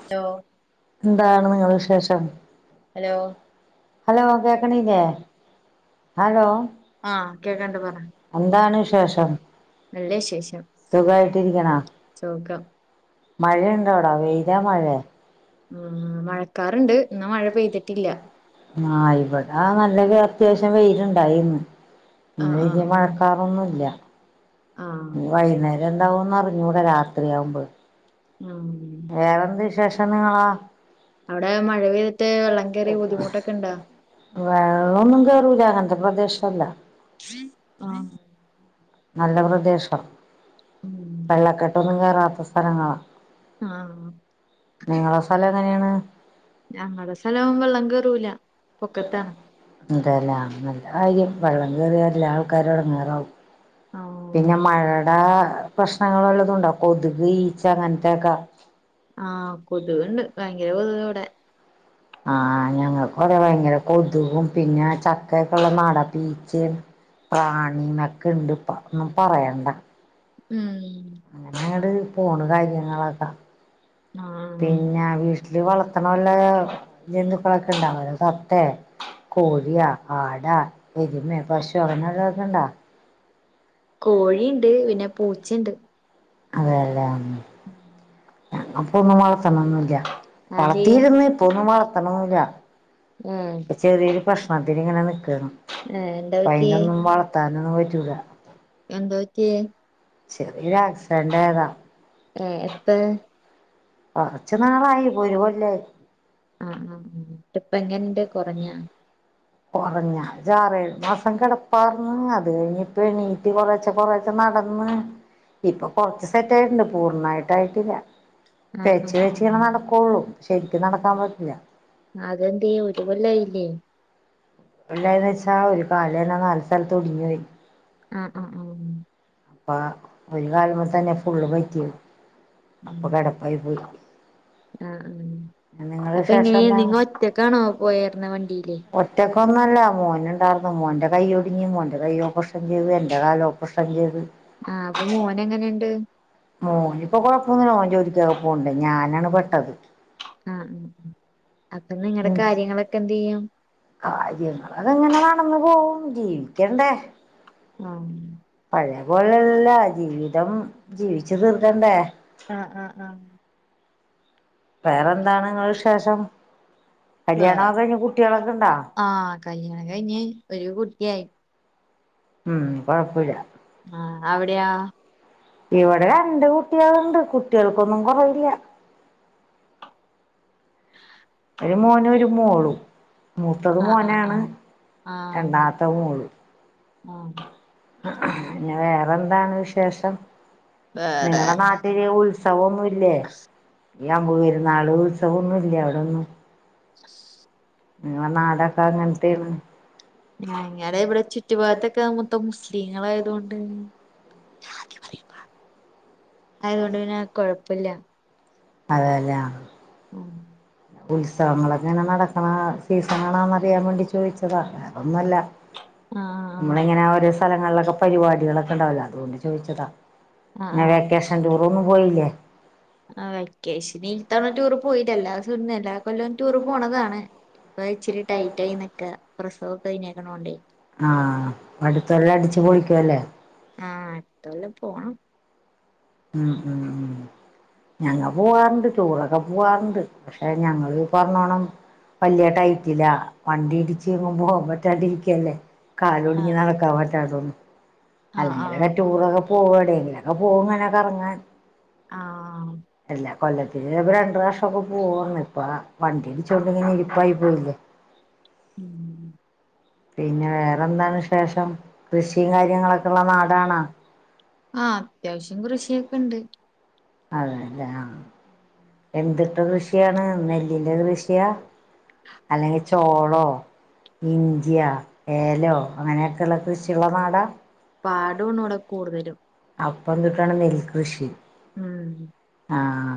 Hello hello hello കേക്കണില്ലേ hello ഹാ കേക്കണുണ്ട് പറ എന്താണ് വിശേഷം? നല്ലവിശേഷം സുഖമായിട്ടിരിക്കണോ? സുഖം. മഴയുണ്ടോവിടെ? വെയിൽ ഇവിടെ മഴയാ ഉം ആ മഴക്കാറുണ്ട് എന്നാ മഴ പെയ്തിട്ടില്ല ആ ഇവിടെ ആ നല്ല ഒരു അത്യാവശ്യം വെയില്ര് ഉണ്ടായിരുന്നു. ഇനി മഴക്കാറൊന്നുമില്ല. വൈകുന്നേരം എന്താവുമെന്ന് അറിഞ്ഞുകൂടാ രാത്രിയാവുമ്പോഴും അവിടെ മഴ പെയ്തിട്ട് വെള്ളം കേറി ബുദ്ധിമുട്ടൊക്കെ ഉണ്ടോ ആ ആഹ് ഞങ്ങളടെ സ്ഥലവും വെള്ളം കേറൂല്ല ഇതല്ല നല്ല ആം വെള്ള [unintelligible] വേറുകരില്ല [unintelligible] ആൾക്കാരോട് നിറവും ആഹ് കൊതുവുണ്ട് ഭയങ്കര കൊതുകാ ഇവിടെ ആഹ് ഞങ്ങൾക്ക് അതേ പോലെ തന്നെയാണ് കൊതുകും പിന്നെ ചക്കയൊക്കെ ഉള്ള നാടാ പീച്ച് പ്രാൺ [unintelligible] ക്കെ ഇണ്ട് ഇപ്പ ഒന്നും പറയണ്ട ഉം അങ്ങനെങ്ങട് പൊന്ന് കാര്യങ്ങളൊക്കെ പിന്നെ വീട്ടില് വളർത്തണ വല്ല ജന്തുക്കളൊക്കെ ഇണ്ടാവല്ലോ തത്തയ കോഴിയാ ആടാ എരുമേ പശു അങ്ങനൊള്ളതൊക്കെണ്ടാ കോഴിയിണ്ട് പിന്നെ പൂച്ചയിണ്ട് അതെല്ലാം അപ്പൊന്നും വളർത്തണ ഒന്നുല്യാ വളർത്തിയിരുന്ന് ഇപ്പൊന്നും വളർത്തണൊന്നുമില്ല ചെറിയൊരു ഭക്ഷണത്തിന് ഇങ്ങനെ നിക്കാണ് അയ്നൊന്നും വളർത്താനൊന്നും പറ്റ് സുഖ ചെറിയൊരു ആക്സിഡന്റായതാ ഏ എപ്പേ കുറച്ചു നാളായി ഇപ്പോറുകൊല്ലായി കൊറഞ്ഞാ ഞ്ചാറേഴു മാസംക [unintelligible] അത് കഴിഞ്ഞിപ്പ എണീറ്റ് കൊറേച്ചേ കൊറേച്ചേ നടന്ന് ഇപ്പൊ കൊറച്ച് സെറ്റ് ആയിട്ടുണ്ട് പൂർണ്ണായിട്ടായിട്ടില്ല പേച്ച് വേച്ച് ഇങ്ങനെ നടക്കുള്ളൂ ശരിക്കും നടക്കാൻ പറ്റില്ല എന്തായിന്ന്‌ വെച്ചാ ഒരുക് കാലെന്നെ നാല് സ്ഥലത്ത് ഒടിഞ്ഞ് പോയി ആഹ് ആഹ് ഹ്ഉം പ്പാ ഒരു കാല്മേ തന്നെ ഫുള്ള് പറ്റി അപ്പൊ കിടപ്പായി പോയി നിങ്ങള് വിശേഷം എന്താ ഒറ്റക്ക് ഒന്നുംല്ല മോന് ഇണ്ടാർന്ന് മോന്റെ കൈ ഒടിഞ്ഞ് മോൻ്റെ കൈ ഓപ്പറേഷൻ ചെയ്ത് എൻ്റെ കാല് ഓപ്പറേഷൻ ചെയ്തു ആഹ് അപ്പ മോന് എങ്ങനെയുണ്ട് മോന് ഇപ്പൊ കൊഴപ്പൊന്നുല്ല മോൻ ജോലിക്കൊക്കെ പോ ഞാനാണ് പെട്ടത് അപ്പൊ നിങ്ങടെ കാര്യങ്ങളൊക്കെ എന്ത് ചെയ്യും? കാര്യങ്ങള് അതങ്ങനെ നടന്നു പോവും ജീവിക്കണ്ടേ പഴയ പോലല്ലാ ജീവിതം ജീവിച്ചു തീർക്കണ്ടേ ആഹ് കല്യാണം കഴിഞ്ഞ് ഒരു കുട്ടിയായി ഉം കൊഴപ്പല്ല അവിടെയോ ഇവിടെ രണ്ട് കുട്ടികളുണ്ട് കുട്ടികൾക്കൊന്നും കുറവില്ല ഒരു മോനും ഒരു മോളും മൂത്തത് മോനാണ് രണ്ടാമത്തെ മോളും പിന്ന വേറെന്താണ് വിശേഷം നിങ്ങടെ നാട്ടില് ഉത്സവൊന്നും ഇല്ലേ ഈ അമ്പ് പെരുന്നാള് ഉത്സവൊന്നും ഇല്ലേ അവിടൊന്നും ഞങ്ങടെ ഇവിടെ ചുറ്റു ഭാഗത്തൊക്കെ മൊത്തം മുസ്ലിങ്ങളായത് കൊണ്ട് ബാക്കി പറയൂ ബാ അത്കൊണ്ട് പിന്നെ കൊഴപ്പല്ല്യ. അതെലേ ആ ഉത്സവങ്ങളൊക്കെ ഇങ്ങനെ നടക്കണ സീസണണോന്നറിയാൻ വേണ്ടി ചോയ്ച്ചതാ വേറൊന്നും അല്ല നമ്മളിങ്ങനെ ഓരോ സ്ഥലങ്ങളിലൊക്കെ പരിപാടികളൊക്കെ ഉണ്ടാവല്ലോ അതുകൊണ്ട് ചോയ്ച്ചതാ ആ ആ ആ വെക്കേഷ് ഇത്തവണ ടൂറ് പോയില്ല എല്ലാദിവസവും എല്ലാ കൊല്ലവും ടൂറ് പോണതാണ് ഇപ്പ ഇച്ചിരി ടൈറ്റ് ആയി നിക്കാ പ്രസവൊക്കെ കഴിഞ്ഞേക്കണോണ്ടേ ആ [unintelligible] ആ എത്തോലും പോണം ഉം ഉം ഉം [unintelligible] ഞങ്ങ പോവാറുണ്ട് ടൂറൊക്കെ പോവാറുണ്ട് പക്ഷെ ഞങ്ങള് ഈ പറഞ്ഞോണം വലിയ ടൈറ്റില വണ്ടി ഇടിച്ച് എങ്ങും പോവാൻ പറ്റാണ്ടിരിക്കല്ലേ കാല് ഒടിഞ്ഞ് നടക്കാൻ പറ്റാതൊന്ന് അല്ലെങ്കിലൊക്കെ ടൂറൊക്കെ പോവുവടെ ഇങ്ങനൊക്കെ പോവും ഇങ്ങനെ കറങ്ങാൻ എല്ലാ കൊല്ലത്തില് ചിലപ്പോ രണ്ട് പ്രാവശൃക്കെ പോവുവെന്ന് ഇപ്പ വണ്ടി ഇടിച്ചോണ്ട് ഇങ്ങനെ ഇരിപ്പായി പോയില്ലേ പിന്നെ വേറെന്താണ് വിശേഷം കൃഷിയും കാര്യങ്ങള് [unintelligible] ആ അത്യാവശ്യം കൃഷിയൊക്കെ ണ്ട് അതെയല്ലേ ആ എന്തിട്ട് കൃഷിയാണ് നെല്ലിന്റെ കൃഷിയാ അല്ലെങ്കി ചോളോ ഇഞ്ചിയാ ഏലോ അങ്ങനെയക്കെയുള്ള കൃഷിയുള്ള നാടാ അപ്പൊ എന്തുട്ടാണ് നെൽകൃഷി ആ ആ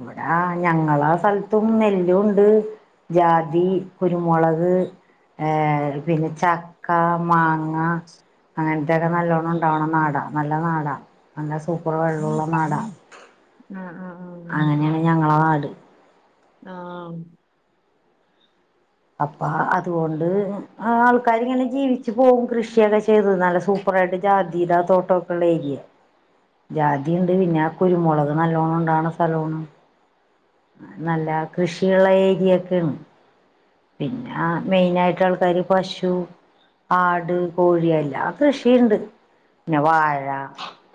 ഇവിടെ ഞങ്ങള സ്ഥലത്തും നെല്ലുണ്ട് ജാതി കുരുമുളക് ഏ പിന്നെ ചക്ക മാങ്ങ അങ്ങനത്ത ഒക്കെ നല്ലോണം ഉണ്ടാവണ നാടാ നല്ല നാടാ അങ്ങനെ സൂപ്പർ വെള്ളോള്ള നാടാ ആമ് അപ്പ അതുകൊണ്ട് ആൾക്കാരിങ്ങനെ ജീവിച്ചു പോകും കൃഷിയൊക്കെ ചെയ്ത് നല്ല സൂപ്പറായിട്ട് ജാതിടെ തോട്ടവൊക്കെ ഉള്ള ഏരിയ ജാതിയിണ്ട് പിന്നെ കുരുമുളക് നല്ലോണം ണ്ടാകണ സ്ഥലാണ് നല്ല കൃഷിയുള്ള ഏരിയൊക്കെയാണ് പിന്നെ മെയിന് ആയിട്ട് ആൾക്കാര് പശു ആട് കോഴി എല്ലാ കൃഷിയുണ്ട് പിന്നെ വാഴ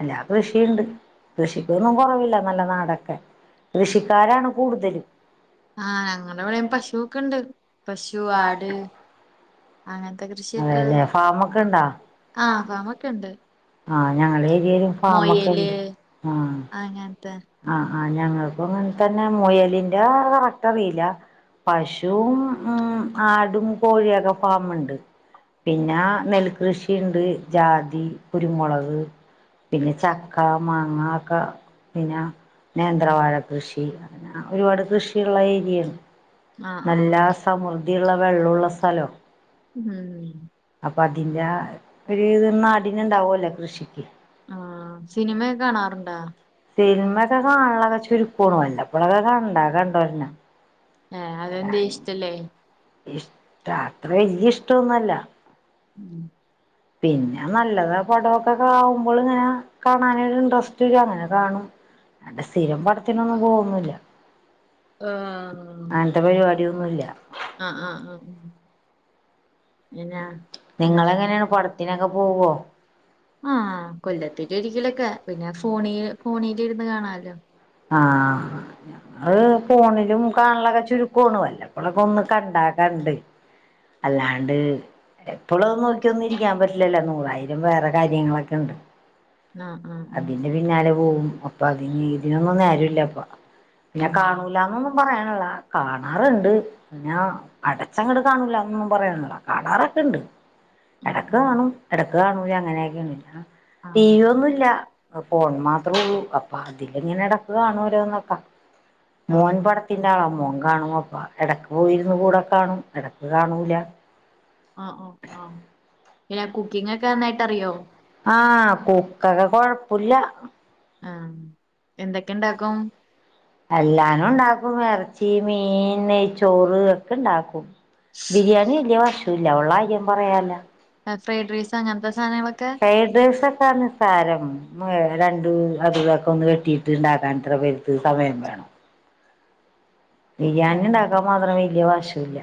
എല്ലാ [unintelligible] ആ ഞങ്ങടിവിടെയും പശുയൊക്കെ ഇണ്ട് പശു ആട്. അങ്ങനത്തെ കൃഷിയൊക്കെ [unintelligible] ആഹ് ഫാമ് ഒക്കെ ഉണ്ട്. ആ നമുക്ക് ആഹ് ആഹ് [unintelligible] ആ ഞങ്ങൾക്കും അങ്ങനെ തന്നെ മുയലിന്റെ കററ്ററിയില്ല. പശുവും ഉംആടും കോഴിയോക്കെ ഫാമുണ്ട്. പിന്നെ നെൽകൃഷിയുണ്ട് ജാതി കുരുമുളക്. പിന്നെ ചക്ക മാങ്ങ ഒക്കെ പിന്നെ നേന്ത്രവാഴ കൃഷി അങ്ങനെ ഒരുപാട് കൃഷിയുള്ള ഏരിയയാണ്. നല്ല സമൃദ്ധിയുള്ള വെള്ള മുള്ള സ്ഥലോ. [inaudible] അപ്പോ അതിന്റെ ഒരു ഇത് നാടിന് ഇണ്ടാവുല്ലോ കൃഷിക്ക് സിനിമയോക്കെ കാണലോക്കെ ചുരുകാവാണ് വല്ല അപ്പോലൊക്കെ കണ്ടാ കണ്ടോരന്ന. ആഹ് അതെന്തേ ഇഷ്ടല്ലേ. [unintelligible] അത്ര വലിയ ഇഷ്ടൊന്നുല്ല പിന്നെ നല്ലതാ പടമൊക്കെവുമ്പോൾ കാണാനോരു ഇൻട്രസ്റ്റ് അങ്ങനെ കാണും [unintelligible] സ്ഥിരം പടത്തിനൊന്നും പോവുന്നുല്ല. ആഹ് ആഹ് ആഹ് പിന്നെ നിങ്ങളെങ്ങനെയാണ് പടത്തിനൊക്കെ പോവോ? ആഹ് കൊല്ലത്തിൽ ഒരിക്കലൊക്കെ പിന്നെ ഫോണിൽ ഇരുന്ന് കാണാലോ അത് ഫോണിലും കാണലൊക്കെ ചുരുക്കാണ് വല്ലപ്പോഴൊക്കെ ഒന്ന് കണ്ടാക്കണ്ട് അല്ലാണ്ട്- എപ്പോളും നോക്കിയൊന്നിരിക്കാൻ പറ്റില്ലല്ല നൂറായിരം വേറെ തക്കെ ഉണ്ട്. അതിന്റെ പിന്നാലെ പോവും അപ്പോ അതി ഇതിനൊന്നും നേരല്ലപ്പാ. പിന്നെ കാണൂലന്നൊന്നും പറയാനുള്ള കാണാറുണ്ട് പിന്ന അടച്ചങ്ങട് കാണൂലന്നൊന്നും പറയാനുള്ള കാണാറൊക്കെ ഇണ്ട് ഇടക്ക് കാണും ഇടക്ക് കാണൂല അങ്ങനെയ ടി വി ഒന്നുമല്ല ഫോൺ മാത്രേ ഉള്ളൂ അപ്പോ അതില് ഇങ്ങനെ ഇടക്ക് കാണു രോന്നോക്കെ. മോൻ പടത്തിന്റെ ആളാ മോൻ കാണു അപ്പാ എടക്ക് പോയിരുന്നു കൂടെ കാണും ഇടക്ക് കാണൂല. ആഹ് കൂക്ക് ഒക്കെ കൊഴപ്പില്ല. ആഹ് എന്തൊക്കെ ഇണ്ടാക്കും. എല്ലാം ഉണ്ടാക്കും എറച്ചി, മീൻ. ചോറ് ഒക്കെ ഉണ്ടാക്കും. ബിരിയാണി വല്യ വശം ഇല്ല ഉള്ള കാര്യം പറയാലോ. [inaudible] ഫ്രൈഡ് റൈസൊക്കെ നിസ്സാരം [unintelligible] അതു ഇതൊന്നൊക്കെ ഒന്ന് വെട്ടിയിട്ട്ണ്ടാക്കാൻ ത്ര വൽത് [inaudible] സമയം വേണം. ബിരിയാണിഉ ണ്ടാക്കാൻ മാത്രം വല്യ വശം ഇല്ല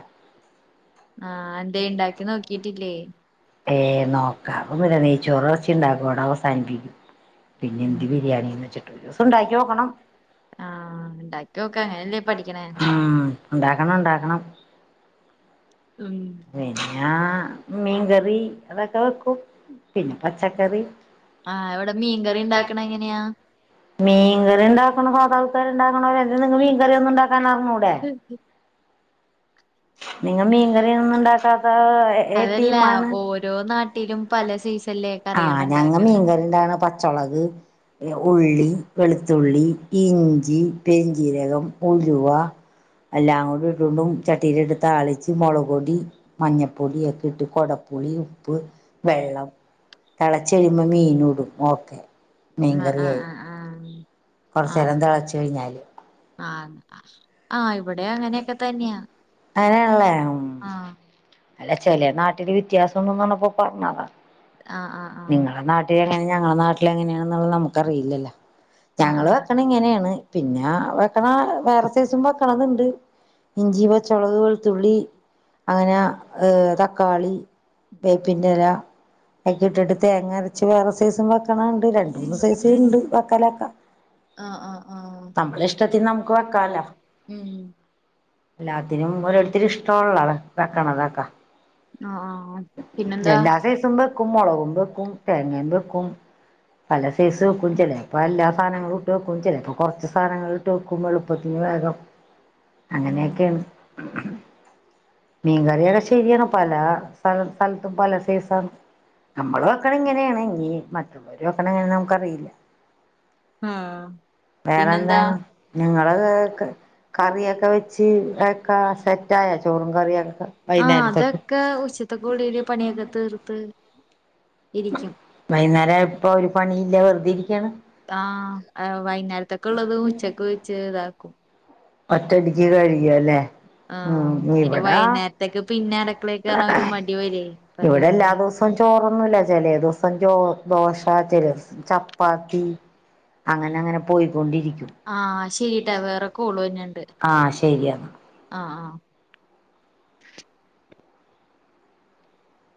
ഏ നോക്കാംപ്പം നെയ്ച്ചോറും എർച്ചി ണ്ടാക്കോടെ അവസാനിപ്പിക്കും. പിന്നെ എന്തി ബിരിയാണിന്ന് വെച്ചിട്ടു ഒരു സം ഇണ്ടാക്കി യൊക്കണം. കണം ഇണ്ടാക്കണം ഉം. ഞാ മീൻകറി അതൊക്കെ വെക്കും പിന്നെ പച്ചക്കറി. ആ ഇവിടെ മീൻകറി ണ്ടാക്കണ എങ്ങനെയാ അതല്ല ഓരോ നാട്ടിലും പല സൈസല്ലേ കറികളുണ്ടാക്കി ണ്ടാണ പച്ചോളക് ഉള്ളി വെളുത്തുള്ളി ഇഞ്ചി പെരുന്ചീരകം ഉലുവ അല്ല [unintelligible] ചട്ടീയില് ഇട്ട് താളിച് മൊളകൊടി മഞ്ഞപ്പൊടി ഒക്കെ ഇട്ട് കൊടംപുളി ഉപ്പ് വെള്ളം തിളച്ചെഴിയുമ്പോ മീനും ടും ഓക്കെ അ ആ ആ കൊറച്ചേരം തളച്ചു കഴിഞ്ഞാല് അ ആ അങ്ങനെയള്ളേ ഉം അല്ല ചെല നാട്ടില് വ്യത്യാസം ന്നർഞ്ഞപ്പോ പറഞ്ഞതാ നിങ്ങളെ നാട്ടില എങ്ങനെ ഞങ്ങളെ നാട്ടിൽ എങ്ങനെയ ന്നുള്ള നമുക്കറിയില്ലല്ലോ ഞങ്ങള് വെക്കണ ഇങ്ങനെയാണ്. പിന്നെ വെക്കണ വേറെ സൈസും വെക് അത്ണ്ട് ഇഞ്ചി പച്ചളക് വെളുത്തുള്ളി അങ്ങന തക്കാളി വേപ്പിൻന്റെല അയ്ക്കിഇട്ടിട്ട് തേങ്ങ അരച്ച് വേറെ സൈസും വെക്കണ ഉണ്ട് രണ്ട മൂന്ന് സൈസും ഉണ്ട് വക്കാലൊക്ക ആ ആ ആ അനക്ക്ഷ്ടള്ളത്തിപോവാൻ കാല എല്ലാത്തിനും ഓരോരുത്തരി ഇഷ്ടംള്ള എല്ലാത്തിനും മ്മളെടുത്തൊരു ഇഷ്ടോള്ളോലോ വെക്കണതൊക്കെ എല്ലാ സൈസും വെക്കും മുളകും വെക്കും തേങ്ങയും വെക്കും പല സൈസ് വെക്കും ചെലെപൊ എല്ലാ സാധനങ്ങളും ഇട്ട് വെക്കും ചെലെപൊ കുറച്ച് സാധനങ്ങൾ ഇട്ട് വെക്കും എളുപ്പത്തിന് വേഗം അങ്ങനെയൊക്കെണ് മീൻകറിയടെ ശരിയാണ് പല സ്ഥ സ്ഥലത്തും പല സീസണ് നമ്മള് വെക്കണിങ്ങനെണ്‌ ഞ്ഞി മറ്റുള്ളവര് വെക്കണ എങ്ങനെ നമുക്കറിയില്ല വേറെന്താണ് നിങ്ങള്ക് കറിയൊക്കെ വെച്ച് ഒക്കെ സെറ്റായോ ചോറും കറിയൊക്കെ ആ അതൊക്കെ ഉച്ചത്തക്കുള്ളില് പണിയൊക്കെ തീർത്ത് വൈന്നേരായപ്പൊ ഒരു പണിയില്ല വെറുതെ ഇരിക്കാണ് ആ വൈന്നേരത്തേക്ക്ള്ളതും ഉച്ചക്ക് വെച്ച്താക്കും ഒറ്റടിക്ക് കഴിയുല്ലേ ലെ ഉ ഇവിടാ ഇവിടെ എല്ലാ ദിവസോം ചോറൊന്നുല്ല ചെലെ ദിവസഞ്ചോ ദോശ ചെലെ ദിവസം ചപ്പാത്തി അങ്ങനെ അങ്ങനെ പോയികൊണ്ടിരിക്കും കോൾവന്ന്ണ്ട് ആ ആ